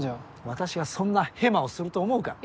私がそんなヘマをすると思うか？